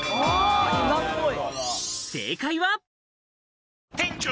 今っぽい。